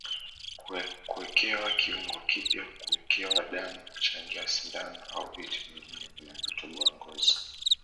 Kuwekewa kiungo kipya Kuwekewa damu kuchangia sindano au vitu vingine vinavyotoboa ngozi